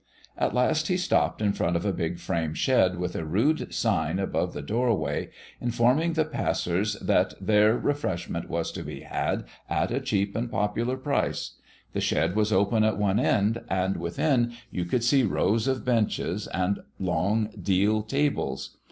At last he stopped in front of a big frame shed with a rude sign above the doorway, informing the passers that there refreshment was to be had at a cheap and popular price. The shed was open at one end, and within you could see rows of benches and long deal tables.